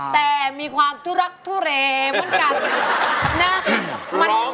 ถูกไหม